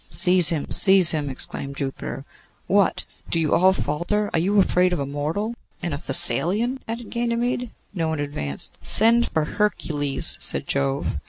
'Seize him, seize him!' exclaimed Jupiter. 'What! do you all falter? Are you afraid of a mortal?' 'And a Thessalian?' added Ganymede. No one advanced. 'Send for Hercules,' said Jove.